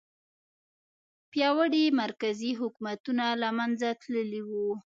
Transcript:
پیاوړي مرکزي حکومتونه له منځه تللي وو.